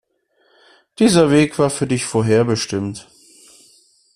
Dieser Weg war für dich vorherbestimmt.